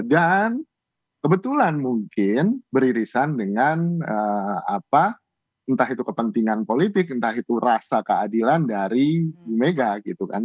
dan kebetulan mungkin beririsan dengan entah itu kepentingan politik entah itu rasa keadilan dari bu mega gitu kan